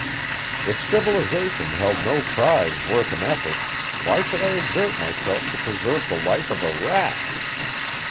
If civilization held no prize worth an effort, why should I exert myself to preserve the life of a rat?